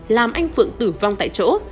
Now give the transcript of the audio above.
làm anh phượng tử vong tại chỗ